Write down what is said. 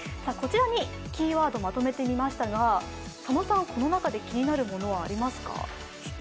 こちらにキーワードまとめてみましたがこの中で気になるものはありますか？